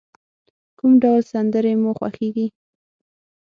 کوم ډول سندری مو خوښیږی؟